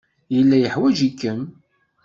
Yella yeḥwaj-ikem.